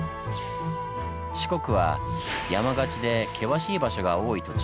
四国は山がちで険しい場所が多い土地。